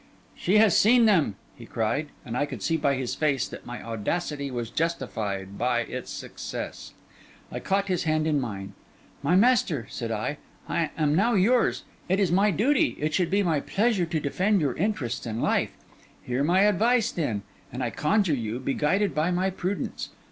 'She has seen them!' he cried, and I could see by his face, that my audacity was justified by its success. I caught his hand in mine. 'My master,' said I, 'I am now yours; it is my duty, it should be my pleasure, to defend your interests and life. Hear my advice, then; and, I conjure you, be guided by my prudence.